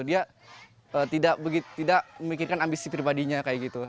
dia tidak memikirkan ambisi pribadinya kayak gitu